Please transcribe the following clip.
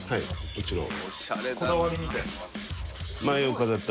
もちろん。